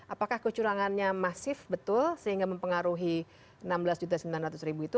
apakah kecurangannya masif betul sehingga mempengaruhi enam belas sembilan ratus itu